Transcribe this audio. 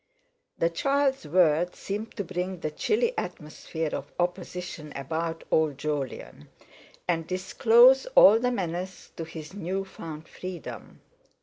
The child's words seemed to bring the chilly atmosphere of opposition about old Jolyon, and disclose all the menace to his new found freedom.